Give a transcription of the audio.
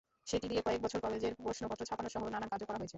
সেটি দিয়ে কয়েক বছর কলেজের প্রশ্নপত্র ছাপানোসহ নানান কাজও করা হয়েছে।